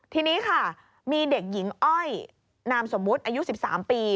ทีนี้ค่ะมีเด็กหญิงอ้อยนามสมมุติอายุ๑๓ปี